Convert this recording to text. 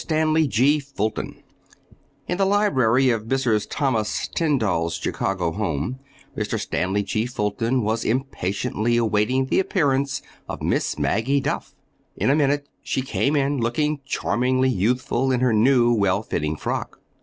STANLEY G. FULTON In the library of Mrs. Thomas Tyndall's Chicago home Mr. Stanley G. Fulton was impatiently awaiting the appearance of Miss Maggie Duff. In a minute she came in, looking charmingly youthful in her new, well fitting frock.